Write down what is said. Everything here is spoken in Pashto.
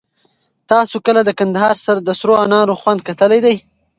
تاسو کله د کندهار د سرو انار خوند کتلی دی؟